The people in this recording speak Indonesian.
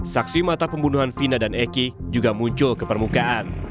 saksi mata pembunuhan vina dan eki juga muncul ke permukaan